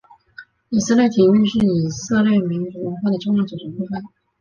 以色列体育是以色列民族文化的重要组成部分。